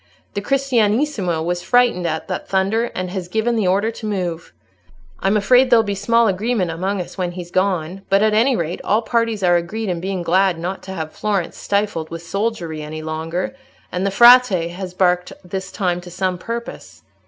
The Cristianissimo was frightened at that thunder, and has given the order to move. I'm afraid there'll be small agreement among us when he's gone, but, at any rate, all parties are agreed in being glad not to have Florence stifled with soldiery any longer, and the Frate has barked this time to some purpose.